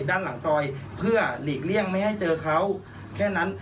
ด้านหลังซอยเพื่อหลีกเลี่ยงไม่ให้เจอเขาแค่นั้น